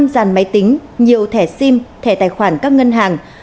năm dàn máy tính nhiều thẻ sim thẻ tài khoản các ngân hàng